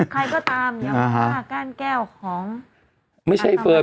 ใครก็ตามยังว่าก้านแก้วของอันตรายนะครับ